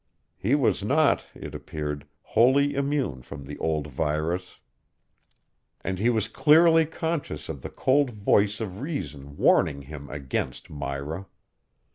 He was not, it appeared, wholly immune from the old virus. And he was clearly conscious of the cold voice of reason warning him against Myra.